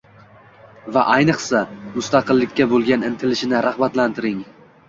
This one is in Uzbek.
va ayniqsa, mustaqillikka bo‘lgan intilishini rag‘batlantiring.